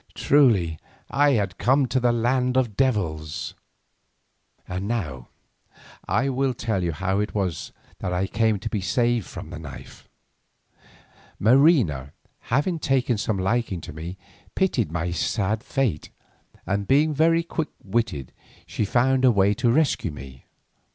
Truly I had come to a land of devils! And now I will tell how it was that I came to be saved from the knife. Marina having taken some liking to me, pitied my sad fate, and being very quick witted, she found a way to rescue me.